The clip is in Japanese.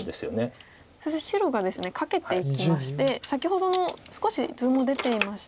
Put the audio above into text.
そして白がですねカケていきまして先ほどの少し図も出ていました。